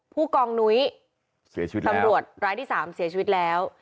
ผู้กองนุ้ยเสียชีวิตตำรวจรายที่๓เสียชีวิตแล้ว